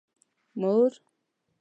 مور